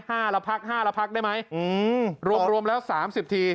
ละพักห้าละพักได้ไหมอืมรวมรวมแล้วสามสิบที